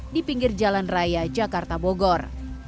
di pinggir jalan raya jakarta bogor